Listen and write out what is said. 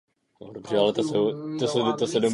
Jsem velmi ohleduplný.